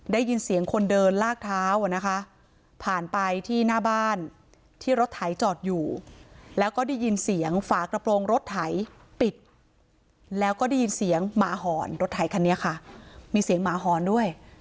ได้ยินเสียงคนเดินลากเท้าอ่ะนะคะผ่านไปที่หน้าบ้านที่รถไถจอดอยู่แล้วก็ได้ยินเสียงฝากระโปรงรถไถปิดแล้วก็ได้ยินเสียงหมาหอนรถไถคันนี้ค่ะมีเสียงหมาหอนด้วย